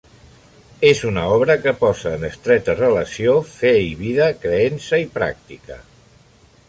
És una obra que posa en estreta relació fe i vida, creença i pràctica.